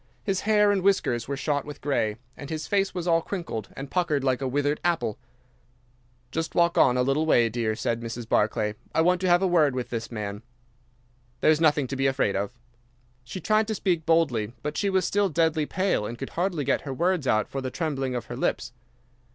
His hair and whiskers were shot with grey, and his face was all crinkled and puckered like a withered apple. "'"Just walk on a little way, dear," said Mrs. Barclay; "I want to have a word with this man. There is nothing to be afraid of." She tried to speak boldly, but she was still deadly pale and could hardly get her words out for the trembling of her lips.